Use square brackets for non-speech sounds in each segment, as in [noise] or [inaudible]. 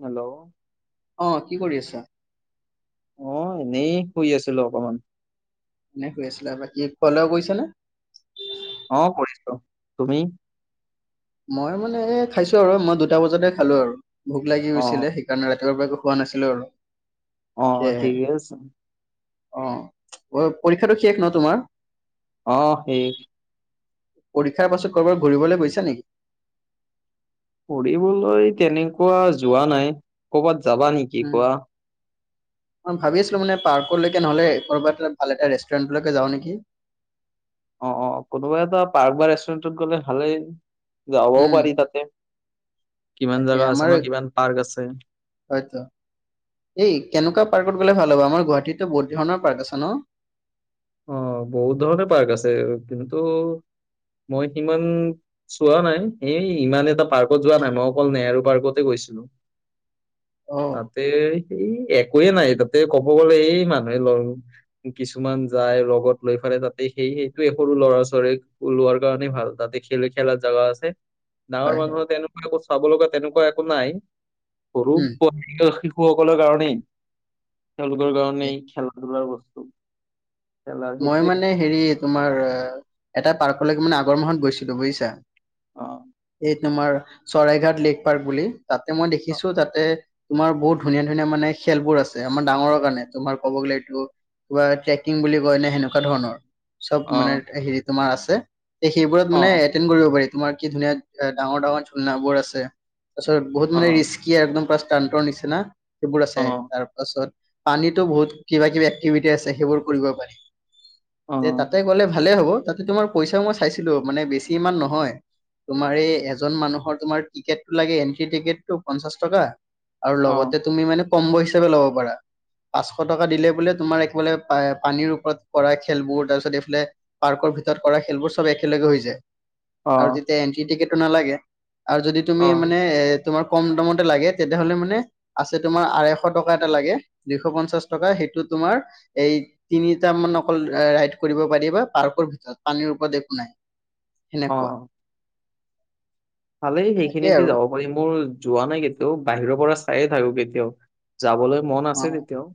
Hello অ কি কৰি আছা? অ এনেই শুই আছিলো অকমান এনে শুই আছিলা বাকী খোৱা লোৱা কৰিছাঁ নে অ কৰিছোঁ তুমি মই মানে খাইছো আৰু মই দুটা বজাতে খালো আৰু ভোক লাগি অ', গৈছিলে সেইকাৰণে ৰাতি ৰাতিপুৱা পা খোৱা নাছিলো আৰু অ সেয়াহে ঠিক আছে অ পৰীক্ষাটো শেষ ন তোমাৰ? অ শেষ পৰীক্ষাৰ পাছত কৰ'বাৰ ঘূৰিবলৈ গৈছা নেকি? ঘুৰিবলৈ তেনেকুৱা যোৱা নাই ক'বাত যাবা নেকি কোৱা? ম ভাবি আছিলো মানে পাৰ্কলৈকে নহলে কবাত এ ভাল এটা ৰেষ্টুৰেন্টলৈকে যাওঁ নেকি? [inaudible] অ অ কোনোবা এটা পাৰ্ক বা ৰেষ্টুৰেণ্টত গ'লে ভালেই যাবও উম পাৰি তাতে কিমান তাকে জাগা আছে আমাৰ ন, কিমান পাৰ্ক আছে। হয়তো এই কেনেকুৱা পাৰ্কত গ'লে ভাল হ'ব আমাৰ গুৱাহাটীতো বহুত ধৰণৰ পাৰ্ক আছে ন অ বহুত ধৰণে পাৰ্ক আছে কিন্তু মই সিমান চোৱা নাই এই ইমান এটা পাৰ্কত যোৱা নাই মই অকল নেহৰু পাৰ্কতে গৈছো অ তাতে সেই এক কয়ে নাই তাতে ক'ব গ'লে এই মানুহে লৰ কিছুমান যাই লগত লৈ ফালে তাতে সেই সেইটোৱে সৰু ল'ৰা ছোৱালীক লোৱাৰ কাৰণে ভাল তাতে খেল খেলাত য লোৱা আছে গাওঁৰ হয় হয় মানুহে তেনেকুৱা একো চাব লগা তেনেকুৱা একো নাই সৰু উম। শিশুসকলৰ কাৰণেই তেওঁলোকৰ কাৰণেই খেলা ধূলাৰ বস্তু খেলাৰ মই সেইটোৱে মানে হেৰি তোমাৰ এটা পাৰ্কলৈকে মানে আগৰ মাহত গৈছিলো বুজিছা অ এই তোমাৰ চৰাই ঘাট লেক পাৰ্ক বুলি তাতে মই অ দেখিছো তাতে তোমাৰ বহুত ধুনীয়া ধুনীয়া মানে খেলবোৰ আছে আমাৰ ডাঙৰ কাৰণে তোমাৰ ক'ব গ'লে এইটো কিবা ট্ৰেকিং বুলি সেনেকুৱা ধৰণৰ অ চপ মানে হেৰি তোমাৰ আছে। সেইবোৰত অ মানে এতেন কৰিব পাৰি। তোমাৰ কি ধুনীয়া ডাঙৰ ডাঙৰ ঝুলনা বোৰ আছে তাৰপিছত বহুত অ মানে ৰিস্কি একদম সান্তৰ নিচিনা সেইবোৰ অ আছে তাৰ পাছত পানীতো বহুত কিবা কিবি এক্টিভিটি আছে সেইবোৰ কৰিব পাৰি অ তে তাতে অ গ'লে ভালে হ'ব তাতে তোমাৰ পইচাও মই চাইছিলো মানে বেছি ইমান নহয়। তোমাৰ এই এজন মানুহৰ তোমাৰ টিকেটটো লাগে এন্ট্ৰি টিকেটটো পঞ্চাশ টকা আৰু লগতে তুমি মানে কম পইচাতো ল'ব পাৰা। পাচশ টকা দিলে বুলে এক বোলে পানী [unintelligible] কৰা খেলবোৰ তাৰপিছত এইফালে পাৰ্কৰ ভিতৰত কৰা খেলবোৰ চব একেলগে হৈ যায়। আৰু তেতিয়া এন্ট্ৰি টিকেটটো নালাগে আৰু যদি তুমি মানে এ তোমাৰ কম দামতে লাগে তেতিয়া হ'লে মানে আছে তোমাৰ আঢৈশ টকা এটা লাগে দুইশ পঞ্চাশ টকা তোমাৰ এই তিনি টা অকল ৰাইড কৰিব পাৰি বা পাৰ্কৰ ভিতৰত পানীৰ ওপৰত একো নাই। অ অ এনেকুৱা ভালেই সেইখিনিতে যাব পাৰি মোৰ যোৱা নাই কেতিয়াও বাহিৰৰ পৰা চাইে থাকো কেতিয়াও যাবলৈ মন আছে তেতিয়াও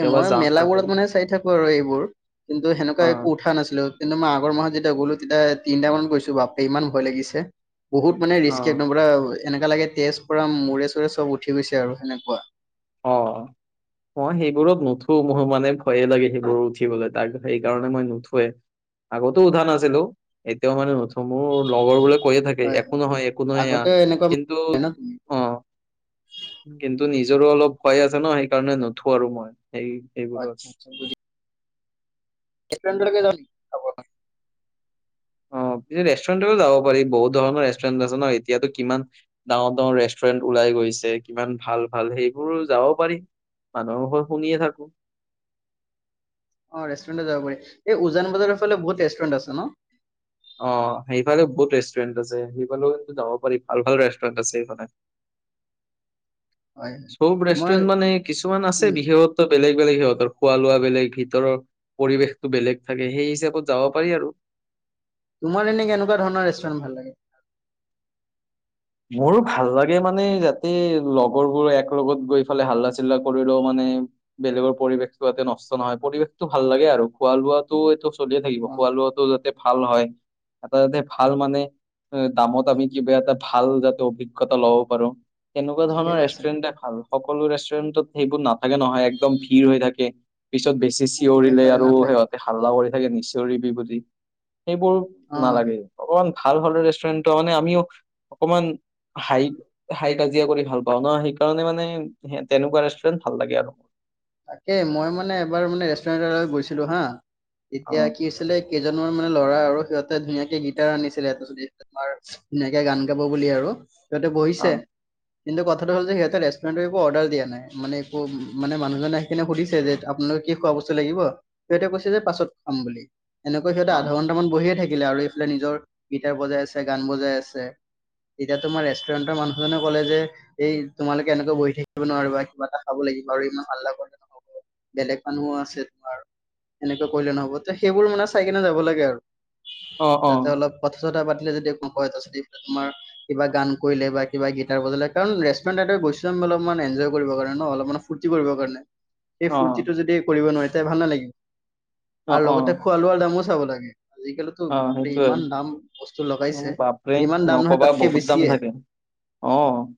এ মই যাম তাতে মেলাাবোৰত মানে চাই থাকো আৰু এইবোৰ কিন্তু অ সেনেকুৱা একো উঠা নাছিলো কিন্তু মই আগৰ মাহত যেতিয়া গ'লো তেতিয়া তিনিটা মানত গৈছো বাপে ইমান ভয় লাগিছে। [unintelligible] বহুত মানে অ ৰিস্কি একদম পুৰা এনেককা লাগে তেজপ মূৰে চোৰে চব উঠি গৈছে আৰু সেনেকুৱা অ অ সেইবোৰত নুঠো মোৰ মানে ভয়ে লাগে সেইবোৰ উঠিবলৈ তাক [unintelligible] সেইকাৰণে মই নুথোৱে আগতো উঠা নাছিলো এতিয়াও মানে নুথো [unintelligible] মোৰ লগৰ বোলে কৈয়ে থাকে হয় একো নহয় একো নহয় আগতে এনেকুৱা কিন্তু মানে ন তুমি অ [unintelligible] কিন্তু নিজৰো অলপ ভয় আছে ন সেইকাৰণে নুথো আৰু মই এই এইবোৰো আছে কেপডৰক ধ আ [unintelligible] [inaudible] ৰেষ্টুৰেণ্টতও যাব পাৰি বহুত ধৰণৰ ৰেষ্টুৰেণ্ট আছে ন এতিয়ো কিমান ডাঙৰ ডাঙৰ ৰেষ্টুৰেণ্ট ওলাই গ' ছে। কিমান ভাল ভাল সেইবোৰ যাব পাৰি মানুহৰ ঘৰত শুনিয়ে থাকো অ ৰেষ্টুৰেণ্ট যাব পাৰি। এই উজান বজাৰৰ ফালে বহুত ৰেষ্টুৰেণ্ট আছে ন অ সেইফালে বহুত ৰেষ্টুৰেণ্ট আছে সেইফালেও কিন্তু যাব পাৰি ভাল ভাল ৰেষ্টুৰেণ্ট আছে সেইফালে [inaudible] হয় হয় চব মই ৰেষ্টুৰেণ্ট মানে কিছুমান আছে উম বিহত বেলেগ বেলেগ সিহঁতৰ খোৱা লোৱা বেলেগ ভিতৰৰ পৰিৱেশতটো বেলেগ থাকে সেই হিচাপত যাব পাৰি আৰু তোমাৰ এনে কেনেকুৱা ধৰণৰ ৰেষ্টুৰেন্ট ভাল লাগে? মোৰো ভাল লাগে মানে, যাতে লগৰবোৰ এক লগত গৈ ফালে হাল্লা-চিল্লা কৰি লও মানে। বেলেগৰ পৰিৱেশতো যাতে নষ্ট নহয়, পৰিৱেশটো ভাল লাগে আৰু খোৱা-লোৱাতো এইটো চলিয়ে থাকিব, অ খোৱা-লোৱাটো যাতে ভাল হয়। এটা যাতে ভাল মানে দামত আমি কিবা এটা ভাল যাতে অভিজ্ঞতা ল'ব পাৰো, তেনেকুৱা ঠিকে ধৰণৰ কৈছা ৰেষ্টুৰেণ্ট ভাল। সকলো ৰেষ্টুৰেণ্টত সেইবোৰ নাথাকে নহয়! একদম ভিৰ হৈ থাকে। পিছত বেছি নাথাকে চিঞৰিলে হয় আৰু নাথাকে সিহঁতে হাল্লা কৰি থাকে, নিচিঞৰিবি বুলি। সেইবোৰ অ নালাগে, অকমান ভাল হ'লে ৰেষ্টুৰেণ্ট মানে আমিও অকমান হাই, হাই-কাজিয়া কৰি ভাল পাও ন? সেইকাৰণে মানে তেনেকুৱা ৰেষ্টুৰেণ্ট ভাল লাগে আৰু। তাকে মই মানে এবাৰ মানে ৰেষ্টুৰেন্টত গৈছিলো হা! অ তেতিয়া কি হৈছিলে কেইজমান মানে ল'ৰা আৰু সিহঁতে ধুনীয়াকে গিটাৰ আনিছিলে, [unintelligible] তোমাৰ ধুনীয়াকে গান গাব বুলি আৰু। সিহঁতে অ বহিছে কিন্তু কথাটো হ'ল যে সিহঁতে ৰেষ্টুৰেণ্টৰ একো অৰ্ডাৰ দিয়া নাই। মানে একো মানে মানুহ। নহয় নহয়, সেইকাৰনে সুধিছে যে আপোনালোকক কি খোৱা বস্তু লাগিব? সিহঁতে কৈছে যে পাছত খাম বুলি। এনেকুৱা সিহঁতে আধা ঘণ্টামান বহিয়ে থাকিলে আৰু এইফালে নিজৰ গীটাৰ বজাই আছে, গান বজাই আছে। এতিয়া তোমাৰ ৰেষ্টুৰেণ্টৰ মানুহজনে ক'লে যে, এই তোমালোকে এনেকৈ বহি থাকিব নোৱাৰিবা কিবা এটা খাব লাগিব। বাৰু ইমান হাল্লা কৰিলে নহ'ব। বেলেগ মানুহো আছে তোমাৰ। এনেকুৱা কৰিলে নহ'ব তে, সেইবোৰ মানে চাই কেনে যাব লাগে আৰু। অ অ যাতে অলপ কথা। ছথা পাতিলে যদি কোনোবা এটা [unintelligible] তোমাৰ কিবা গান কৰিলে, বা কিবা গিটাৰ বজালে। কাৰণ ৰেষ্টুৰেণ্ট গৈছো আম অলপমান এঞ্জয় কৰিব কাৰণে ন? অলপমান ফুৰ্তি কৰিব কাৰণে। সেই অ ফূৰ্তিটো যদি কৰিব নোৱাৰি! তে ভাল নালাগে অ অ আৰু অ লগতে খোৱা-লোৱাৰ দামো চাব লাগে। আজিকালিটো, অ বাপৰে সেইটোয়ে ইমান দাম বস্তু উম, লগাইছে। বাপৰে যিমান দাম নহয় নকবা তাতকে বহুত দাম বেছিয়ে। থাকে অ'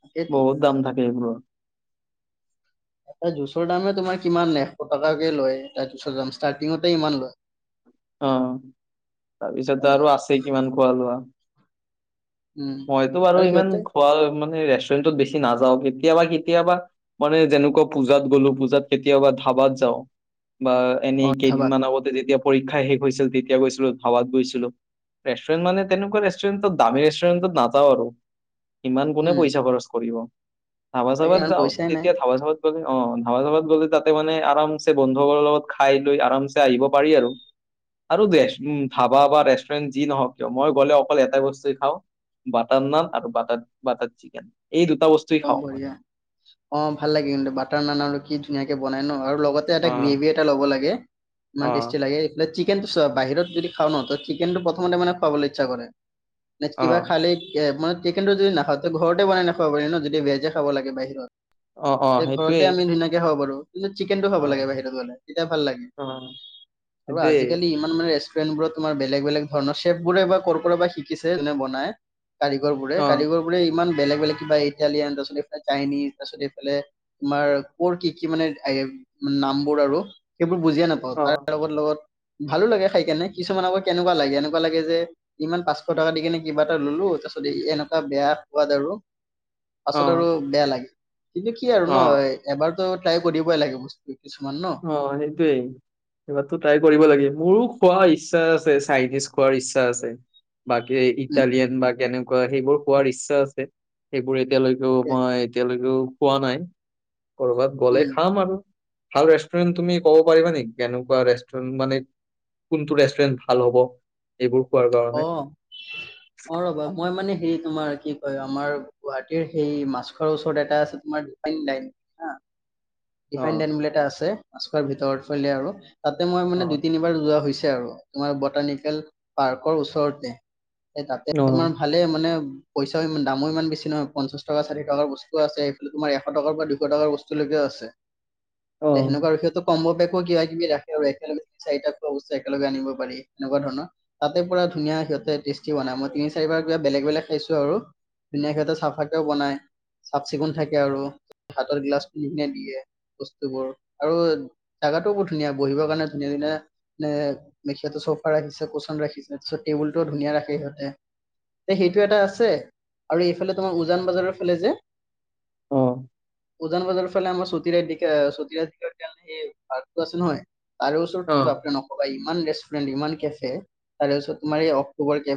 তাকেইতো বহুত দাম থাকে এইবোৰৰ। এটা জুচৰ দামে তোমাৰ কিমান এশ টকাকে লয়। এটা জুচৰ দাম ষ্টাৰ্টিঙতে ইমান লয়। অ' তাৰপিছত হয় আৰু আছে কিমান খোৱা-লোৱা। উম মইতো বাৰু আৰু ইমান সিহঁতে খোৱা মানে। ৰেষ্টোৰেণ্টত বেছি নাযাও, কেতিয়াবা কেতিয়াবা মানে যেনেকুৱা পূজাত গ'লো, পূজাত কেতিয়াবা ধাবাত। যাও। বা অ এনেই ধাবাত কেইদিনমান আগতে যেতিয়া। পৰীক্ষাই শেষ হৈছিল তেতিয়া গৈছিলো ধাবাত গৈছিলো। ৰেষ্টুৰেণ্ট মানে তেনেকুৱা ৰেষ্টুৰেণ্টত দামী ৰে ৰেণ্টত নাযাও আৰু! ইমান কোনে উম পইচা খৰচ কৰিব? তাকে ধাবা-চাবাত ইমান যাওঁ। পইচাই নাই তেতিয়া ধাবা-চাবাত। অ' ধাবা চাবাত গ'লে তাতে মানে আৰামছে বন্ধুবোৰৰ লগত খাই লৈ আৰামছে আহিব পাৰি আৰু। আৰু বেষ্ট। উম ধাবা বাবা, ৰেষ্টুৰেণ্ট যি নহওক কিয়, মই গ'লে অকল এটাই বস্তুৱে খাওঁ। বাটাৰ নান আৰু বাটাৰ-বাটাৰ চিকেন। এই দুটা বস্তুৱেই অ' খাওঁ মই বঢ়িয়া। অ' ভাল লাগে কিন্তু বাটাৰ নান আৰু কি ধুনীয়াকে বনায় ন? আৰু লগতে অ এটা গ্ৰেভী এটা ল'ব লাগে। ইমান অ তেষ্টি লাগে। একপ্লেট চিক। চিকেনটো চোৱা, বাহিৰত যদি খাও নহ, ত' চিকেনটো প্ৰথমতে মানে খুৱাবলৈ ইচ্ছা কৰে। নে অ কিবা খালে। এ মানে চিকেনটো যদি নাখাওঁ তে ঘৰতে বনাই খাব পাৰি ন! ভেজে খাব লাগে বাহিৰত, অ অ তে সেইটোৱে ঘৰতে আমি ধুনীয়াকে খাব পাৰো। চিকেনটো অ খাব লাগে বাহিৰত গ'লে। তেতিয়া ভাল লাগে, অ আৰু সেইটোৱে আজিকালি ইমান মানে। ৰেষ্টুৰেণ্টবোৰত তোমাৰ বেলেগ বেলেগ ধৰণৰ চেফবোৰে বা ক'ৰ পৰা বা শিকিছে যোনে বনায়! কাৰিকৰবোৰে। অ কাৰিকৰবোৰে ইমান বেলেগ বেলেগ কিবা এই। ইটালিয়ান তাৰপিছত এইফালে চাইনিজ, তাৰপিছত এইফালে তোমাৰ ক'ৰ কি কি মানে নামবোৰ। আৰু, সেইবোৰ বুজিয়ে নাপাওঁ অ তাৰ লগত লগত। ভালো লাগে খাই কেনে। কিছুমান আকৌ কেনেকুৱা লাগে, এনেকুৱা লাগে যে ইমান পাঁচশ টকা দি কেনে কিবা এটা ল'লো। তাৰপিছত এনেকুৱা বেয়া সোৱাদ আৰু! পাছত আৰু অ', বেয়া লাগে। কিন্তু কি আৰু ন অ', এবাৰতো ট্ৰাই কৰিবই লাগে বস্তটো। অ' সেইটোয়েই। এবাৰটো ট্ৰাই কৰিব লাগে। মোৰো খোৱা ইচ্ছা। ইচ্ছা আছে, চাইনিজ খোৱাৰ ইচ্ছা আছে। বাকী উম ইটালিয়ান বা কেনে কোৱা সেইবোৰ হোৱাৰ ইচ্ছা আছে। সেইবোৰ এতিয়ালৈকেও তাকে মই এতিয়ালৈকেও। পোৱা নাই কৰ'বাত গ'লে উম খাম আৰু। ভাল ৰেষ্টুৰেণ্ট তুমি ক'ব পাৰিবা নেকি? কেনেকুৱা ৰেষ্টুৰেণ্ট মানে? কোনটো ৰেষ্টৰেণ্ট ভাল হব? এইবোৰ খোৱাৰ কাৰণে, অ অ ৰবা, মই মানে হেৰি। তোমাৰ কি কয় আমাৰ গুৱাহাটীৰ সেই মাছখৰৰ ওচৰত এটা আছে তোমাৰ ডিফাইন লাইন হা। ডিফাইন অ', লাইন বুলি এটা আছে। মাছখোৱা ভিতৰ ফলিয়া আৰু তাতে মই মানে দুই অ', তিনিবাৰ যোৱা হৈ হৈছে। আৰু তোমাৰ বটানিকেল পাৰ্কৰ ওচৰতে। এ তাতে অ', তোমাৰ ভালে মানে। পইচা ইমান দামো ইমান বেছি নহয় পঞ্চাশ টকা ষাঠী টকা বস্তও আছে। সেইফালে তোমাৰ এশ টকাৰ পৰা দুশ টকাৰ বস্তুলৈকেও আছে। সেনেকুৱা আৰু অ', সিহতক কমব। কিবা কিবি ৰাখে আৰু একেলগে জি টি চাৰিটা খোৱা বস্তু একেলগে আনিব পাৰি এনেকুৱা ধৰণৰ। তাতে পুৰা ধুনীয়া। সিহতে টেষ্টি বনাই। মই তিনি চাৰিবাৰ কিবা বেলেগ বেলেগ খাইছো আৰু ধুনীয়া সিহঁতে চাফাকেও বনাই। চাফ চিকুণ থাকে আৰু হাতৰ গিলাচ পিনি কিনে দিয়ে। বস্তু বোৰ আৰু জোগাটো বু ধুনীয়া বহিবৰ কাৰণে ধুনীয়া ধুনীয়া এ মেখ চোফা ৰাখিছে কচন ৰাখিছে তাৰিছত টেবুল টো ধুনীয়া ৰাখে সিহঁতে। তে সেইটো এটা আছে, আৰু এইফালে তোমাৰ উজান বজাৰৰ ফালে যে উজান বজাৰৰ ফলে আম চু [unintelligible] সেই ভাৰতটো আছে নহয় তাৰে ওচৰতো অ', বাপ্ৰে নকবা ইমান ৰেষ্ট ইমান কেফে তাৰেছত তোমাৰ এই অক্টোবৰ কে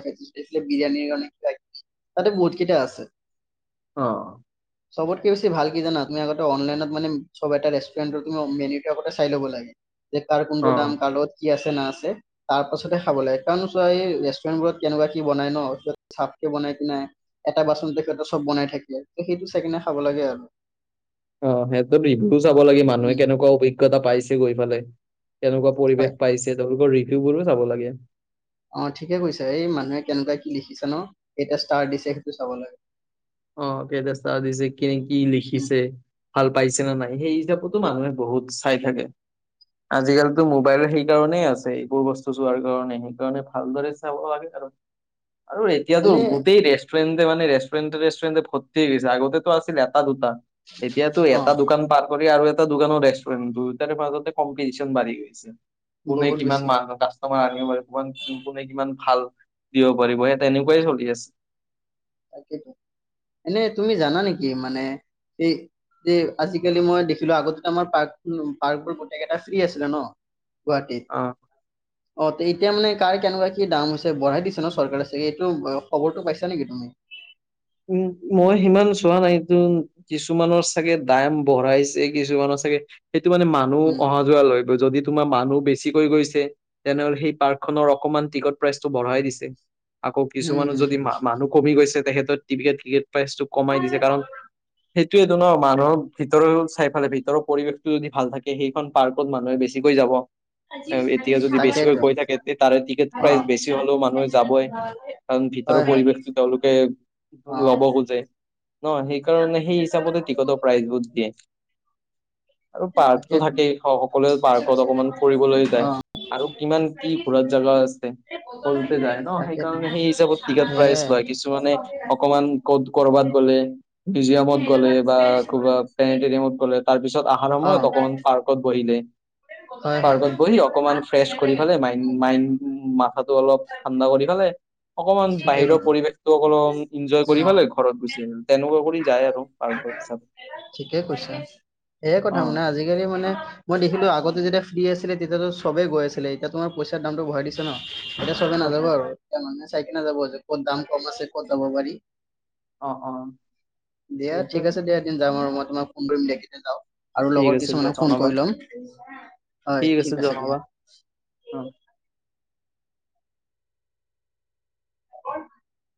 বিয়ানিৰ অ ল [unintelligible] তাতে বহুত কেইটা আছে। অ। চবতকে বেছি ভাল কি জানা? তুমি আগতে অনলাইনত মানে চব এটা ৰেষ্টুৰেণ্টৰ তুমি মেনিউ টো আগতে চাই ল'ব লাগে। যে কাৰ কোনটোোন অ'। দাম কাৰ লগত কি আছে না আছে? তাৰ পাছতেহে খাব লাগে। কাৰণ চোৱা এই ৰেষ্টুৰেণ্ট বোৰত কেনেকুৱা কি বনাই ন চফকে বনাই কি নাই? এটা বাথৰুম তেখেততে চব বনাই থাকে সেইটো চাই কিনে খাব লাগে আৰু। অ সিহত ভি চাব লাগে মানুহে উম কেনেকুৱা অভিজ্ঞতা পাইছে গৈ পেলাই। কেনেকুৱা হয় পৰিৱেশ পাইছে তেওঁলোকৰ ৰিভিউ বোৰো চাব লাগে। অ ঠিকে কৈছে, এই মানুহে কেনেকুৱা কি লিখিছে ন কেইটা ষ্টাৰ দিছে সেইটো চাব লাগে। অ কেইটা ষ্টাৰ দিছে কিনে কি উম লিখিছে ভাল পাইছে নে নাই? সেই হিচাপতো মানুহে বহুত চাই থাকে। আজিকালিতো মোবাইল সেইকাৰণেই আছে, এইবোৰ বস্তু চোৱাৰ কাৰণে সেইকাৰণে ভালদৰে চাব লাগে আৰু। [inaudible] আৰু এতিয়াতো এনে গোটেই ৰেষ্টুৰেণ্টে মানে ৰেষ্টুৰেণ্টেৰে ফৰ্তি গৈছে আগতেতো আছিল এটা দুটা, এতিয়াতো অ এটা দোকান পাৰ কৰি আৰু এটা দোকানৰ ৰেষ্টুৰেণ্ট দুতাৰ মাজতে কম্পিটিচন বাঢ়ি গৈছে। কোনে বহুত কিমান বেছি মানুত আ তমাৰ আনিব পাৰিব কোনে কিমান ভাল দিব পাৰিব সেই তেনেকুৱাই চলি আছে? তাকেইটো এনেই তুমি জানা নেকি? মানে সেই যে আজিকালি মই দেখিলো আগতে আমাৰ পাৰ্ক পাৰ্কবোৰ গোটেইকেইটা ফ্ৰী আছিলে ন? গুৱাহাটী অ', অ এতিয়া মানে কাৰ কেনেকুৱা কি দাম হৈছে বঢ়াই দিছে ন চৰকাৰে চাগে এইটো খবৰটো পাইছা নেকি তুমি? উম মই সিমান চোৱা নাই। কিছুমানৰ চাগে দাম বঢ়াইছে? কিছুমানৰ চাগে সেইটো মানে মানুহ উম অহা যোৱা লৈ গৈ যদি তোমাৰ মানুহ বেছিকৈ গৈছে তেনেহলে সেই পাৰ্ক খনৰ অকনমান টিকট প্ৰাইচটো বঢ়াই দিছে। আকৌ হম কিছুমানৰ হম যদি মানুহ কমি গৈছে তেখেতৰ টিকট ক্ৰিকেট প্ৰাইছটো কমাই দিছে কাৰণ সেইটোৱেটো ন মানুহৰ ভিতৰ চাই পালে ভিতৰৰ পৰিৱেশটো যদি ভাল থাকে সেইখন পাৰ্কত মানুহে বেছিকৈ যাব। এতিয়া যদি বেছিকৈ তাকেইতো কৈ থাকে তাৰে টিকেট অ প্ৰাইচ বেছি হলেও মানুহে যাবই। কাৰণ ভিতৰ হয় হয় পৰিৱেশটো তেওঁলোকে ল'ব অ খোজে ন? সেইকাৰণে সেই হিচাপতে টিকটৰ প্ৰাইচ বোৰ দিয়ে। [inaudible] আৰু তাকেইতো। পাৰ্কতটো তাকেইতো থাকেই সকলোৱে পাৰ্কত সেয়াই। অকমান ফুৰিবলৈ যায় অ', আৰু কিমান কি ঘোৰাত জাগা- আছে সকলোটে যাই ন? সেইকাৰে সেই হিচাপত লয় কিছুমানে কাৰন কত কৰবাত গলে মিউজিয়ামত গ'লে বা ক'ৰবাত পেনেটেৰিয়ামত গ'লে তাৰপিছত অহাৰ সময়ত অকমান পাৰ্কত বহিলে হয় হয়। পাৰ্কত বহি অকমান ফ্ৰেছ কৰি ফালে মাই মাইণ্ড- মাথাটো অলপ ঠাণ্ডা কৰি ফালে অকমান ঠিকে বাহিৰৰ কৈছা। পৰিৱেশতো অকন কৰি উম। ভাল লাগ ঘৰত গুচি আহ তেনেকুৱা কৰি যায় আৰু পাৰ্কৰ হিচাপে সয়ে অ কথা মানে আজিকালি মানে মই দেখিলো আগতে যেতিয়া ফ্ৰী আছিলে তেতিয়াটো চবে গৈ আছিলে। এতিয়া তোমাৰ পইচাৰ দামটো বঢ়াই দিছে ন। এনে চবে অ নাযাব আৰু কে চাইকে নাযাব ক'ত দাম কম আছে ক'ত যাব পাৰি। অ অ অ দিয়া এইটো ঠিক আছে দিয়া এদিন যাম আৰু মই তোমাক ফোন কৰিম দেখি যাওঁ। আৰু ঠিক লগৰ আছে দিয়া কিছুমানক ফোন জনাবা কৰি ল'ম। হয় ঠিক আছে দিয়া। অ [unintelligible]